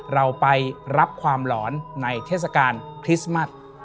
เราไปรับความหลอนในเทศกาลคริสต์มัส